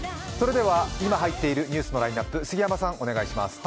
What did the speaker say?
今入っているニュースのラインナップ、杉山さん、お願いします。